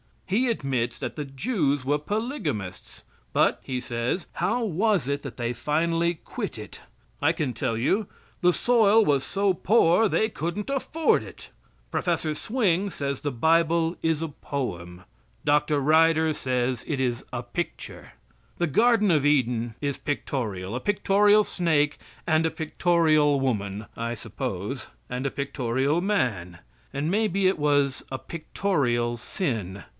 He admits that the Jews were polygamists, but, he says, how was it they finally quit it? I can tell you the soil was so poor they couldn't afford it. Prof. Swing says the Bible is a poem, Dr. Ryder says it is a picture. The Garden of Eden is pictorial; a pictorial snake and a pictorial woman, I suppose, and a pictorial man, and maybe it was a pictorial sin.